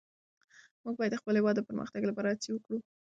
موږ باید د خپل هېواد د پرمختګ لپاره هڅې وکړو.